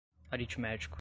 aritmético